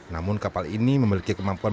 namun kapal ini memiliki kemampuan